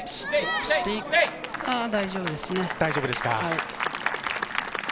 大丈夫ですね。